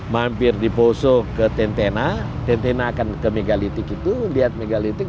mampir di poso ke tentena tentena akan ke megalitik itu lihat megalitik